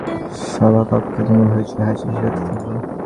সভাকক্ষে তুমুল হৈ চৈ, হাসাহাসি হতে থাকল।